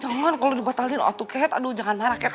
jangan kalau dibatalin waktu keket aduh jangan marah keket